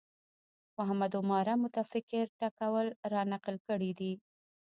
محمد عماره متفکر ټکول رانقل کړی دی